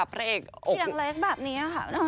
เสียงเล็กแบบนี้ค่ะ